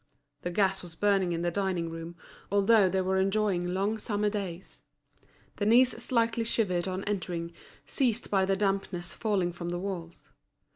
The gas was burning in the dining room, although they were enjoying long summer days. Denise slightly shivered on entering, seized by the dampness falling from the walls.